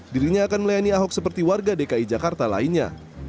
dirinya akan melayani ahok seperti warga dki jakarta lainnya